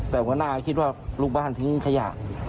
แต่หัวหน้าคิดว่าลูกบ้านทิ้งขยะ